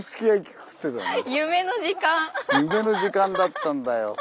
夢の時間だったんだよ。